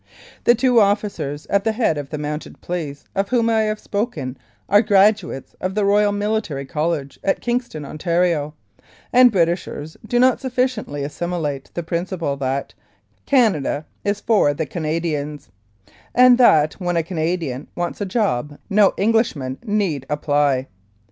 The two officers at the head of the Mounted Police of whom I have spoken are graduates of the Royal Military College at Kingston, Ontario; and Britishers do not sufficiently assimilate the principle that "Canada is for the Canadians," and, that when a Canadian wants a job no Englishman need apply.